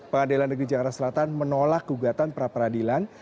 pengadilan negeri jakarta selatan menolak gugatan pra peradilan